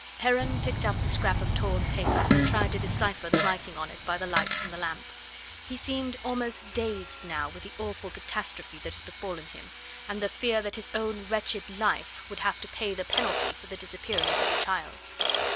Heron picked up the scrap of torn paper and tried to decipher the writing on it by the light from the lamp. He seemed almost dazed now with the awful catastrophe that had befallen him, and the fear that his own wretched life would have to pay the penalty for the disappearance of the child.